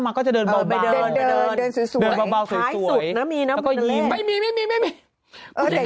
งานช่อง๗มันไม่มีเหรอ